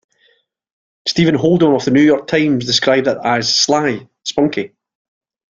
Stephen Holden of "The New York Times" described it as "sly, spunky".